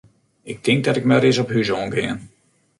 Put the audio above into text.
Ik tink dat ik mar ris op hús oan gean.